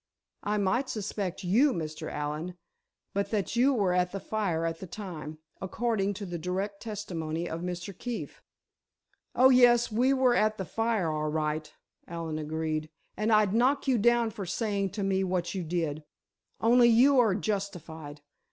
I might suspect you, Mr. Allen, but that you were at the fire at the time, according to the direct testimony of Mr. Keefe." "Oh, yes, we were at the fire, all right," Allen agreed, "and I'd knock you down for saying to me what you did, only you are justified.